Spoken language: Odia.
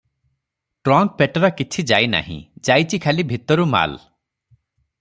ଟ୍ରଙ୍କ ପେଟରା କିଛି ଯାଇ ନାହିଁ- ଯାଇଚି ଖାଲି ଭିତରୁ ମାଲ ।